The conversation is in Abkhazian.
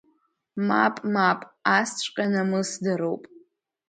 Мап, мап, асҵәҟьа намысдароуп.